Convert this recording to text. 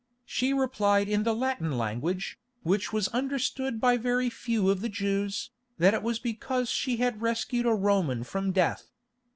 She replied in the Latin language, which was understood by very few of the Jews, that it was because she had rescued a Roman from death.